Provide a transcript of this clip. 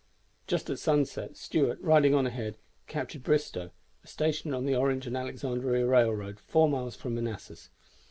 Just at sunset, Stuart, riding on ahead, captured Bristoe, a station on the Orange and Alexandria Railroad four miles from Manassas.